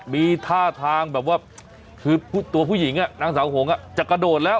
มีท่าทางแบบว่าคือตัวผู้หญิงนางสาวหงจะกระโดดแล้ว